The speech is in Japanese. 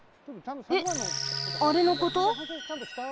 えっあれのこと？